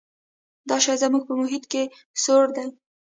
دا شی زموږ په محیط کې سوړ دی.